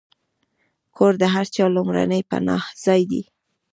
کور د هر چا لومړنی پناهځای دی.